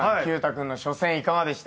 君の初戦いかがでした？